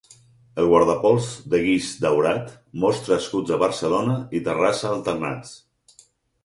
El guardapols de guix daurat mostra escuts de Barcelona i Terrassa alternats.